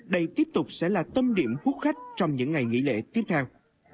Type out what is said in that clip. đây tiếp tục sẽ là tâm điểm hút khách trong những ngày nghỉ lễ tiếp theo